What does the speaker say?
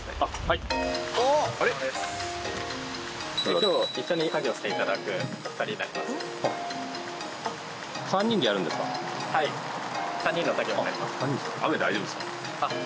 今日一緒に作業して頂くお二人になります。